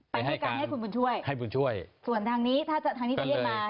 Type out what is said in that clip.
ไปด้วยกันให้คุณบุญช่วยให้บุญช่วยส่วนทางนี้ถ้าทางนี้จะเรียกมา